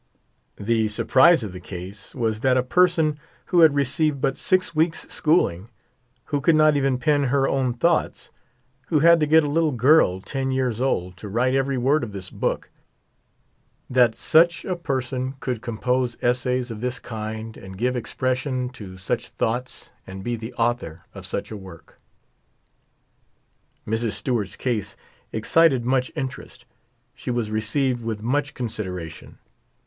The surprise of the case was that a person who had received but six weeks' school ing, who could not even pen her own thoughts, who had to get a little girl ten years old to write every word of this book — that such a person could compose essays of this kind and give expression to such thoughts and be the author of such a work I Mrs. Stewart's case excited much interest. She was received with much consideration.